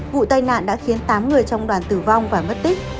vụ tai nạn đã khiến tám người trong đoàn tử vong và mất tích